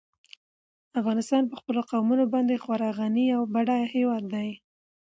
افغانستان په خپلو قومونه باندې خورا غني او بډای هېواد دی.